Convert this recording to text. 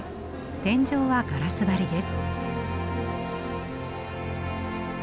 天井はガラス張りです。